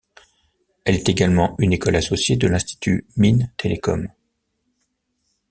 Elle est également une école associée de l'Institut Mines-Télécom.